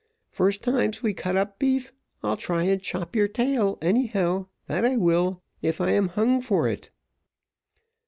First time we cuts up beef, I'll try and chop your tail, anyhow, that I will, if I am hung for it."